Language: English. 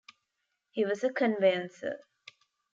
He was a conveyancer.